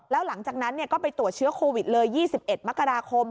แล้วหลังจากนั้นก็ไปตรวจเชื้อโควิดเลย๒๑มกราคม